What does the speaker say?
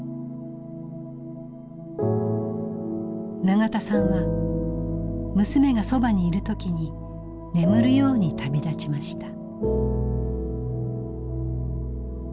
永田さんは娘がそばにいる時に眠るように旅立ちました。